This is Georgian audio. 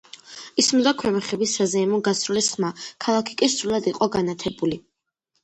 ისმოდა ქვემეხების საზეიმო გასროლის ხმა, ქალაქი კი სრულად იყო განათებული.